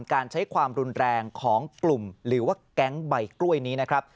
การใช้ความรุนแรงของกลุ่มหรือว่าแก๊งใบกล้วยนี้นะครับ